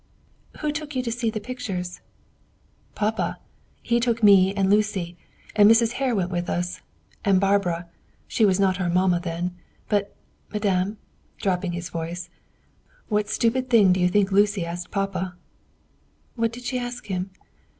"Who took you to see the pictures?" "Papa. He took me and Lucy; and Mrs. Hare went with us, and Barbara she was not our mamma then. But, madame" dropping his voice "what stupid thing do you think Lucy asked papa?" "What did she ask him?"